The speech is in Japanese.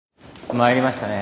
参りましたね。